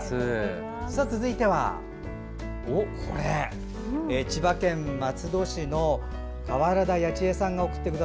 続いては、千葉県松戸市の川原田八千恵さん。